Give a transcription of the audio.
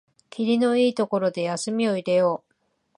きりのいいところで休みを入れよう